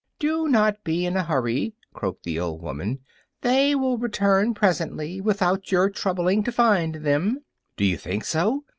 "Do not be in a hurry," croaked the old woman; "they will return presently without your troubling to find them." "Do you think so?"